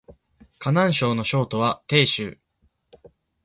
河南省の省都は鄭州